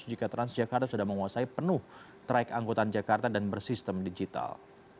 jika transjakarta sudah menguasai penuh track angkutan jakarta dan bersistem digital